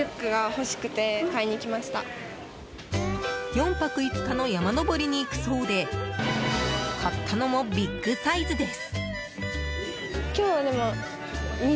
４泊５日の山登りに行くそうで買ったのもビッグサイズです！